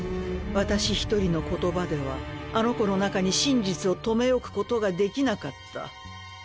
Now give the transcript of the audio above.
私一人の言葉ではあの子の中に真実を留め置くことができなかった。